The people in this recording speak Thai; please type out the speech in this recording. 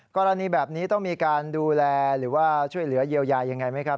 กรณีแบบนี้ต้องมีการดูแลหรือว่าช่วยเหลือเยียวยายังไงไหมครับ